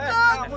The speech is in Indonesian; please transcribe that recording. kamu yang ambil